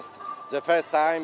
tôi đến đây đầu tiên